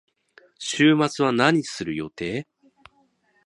週末は何をする予定？